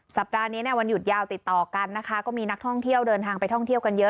สัปดาห์นี้เนี่ยวันหยุดยาวติดต่อกันนะคะก็มีนักท่องเที่ยวเดินทางไปท่องเที่ยวกันเยอะ